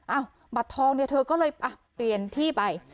บัตรทองเนี่ยเธอก็เลยเปลี่ยนที่ไป